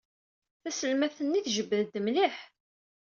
Taselmadt-nni tjebbed-d mliḥ.